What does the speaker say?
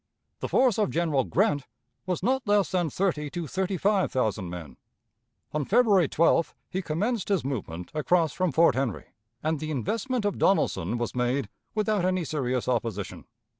The force of General Grant was not less than thirty to thirty five thousand men. On February 12th he commenced his movement across from Fort Henry, and the investment of Donelson was made without any serious opposition.